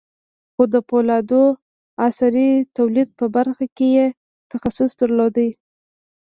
خو د پولادو د عصري توليد په برخه کې يې تخصص درلود.